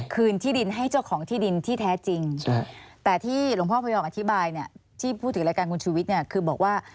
คืนที่ดินให้เจ้าของที่ดินที่แท้จริงแต่ที่หลวงพ่อพยอมอธิบายเนี่ยที่พูดถึงรายการคุณชูวิทย์เนี่ยคือบอกว่า